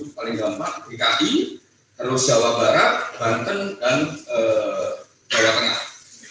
paling gampang dki terus jawa barat banten dan jawa tengah